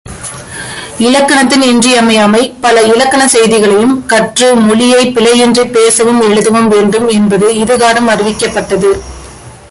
இலக்கணத்தின் இன்றியமையாமை பல இலக்கணச் செய்திகளையும் கற்று மொழியைப் பிழையின்றிப் பேசவும் எழுதவும் வேண்டும் என்பது இதுகாறும் அறிவிக்கப்பட்டது.